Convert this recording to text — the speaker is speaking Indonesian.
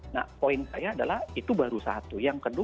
nah poin saya adalah itu baru satu